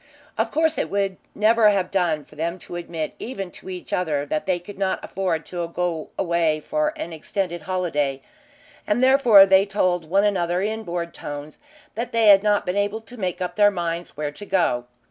Of course it would never have done for them to admit even to each other that they could not afford to go away for an extended holiday, and therefore they told one another in bored tones that they had not been able to make up their minds where to go.